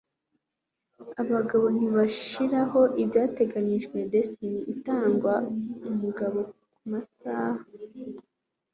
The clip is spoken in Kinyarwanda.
abagabo ntibashiraho ibyateganijwe, destiny itanga umugabo kumasaha